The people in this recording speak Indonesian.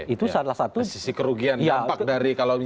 itu salah satu